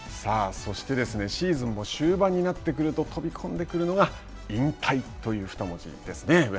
そしてシーズンも終盤になってくると飛び込んでくるのが引退という２文字ですね